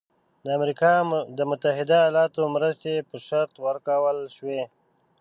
د امریکا د متحده ایالاتو مرستې په شرط ورکول شوی.